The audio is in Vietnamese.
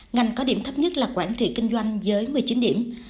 ngành có điểm thấp nhất là quản trị kinh doanh với một mươi chín điểm